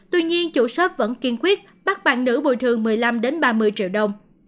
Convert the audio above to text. tuy nhiên chủ shop vẫn kiên quyết bắt bạn nữ bồi thường một mươi năm ba mươi triệu đồng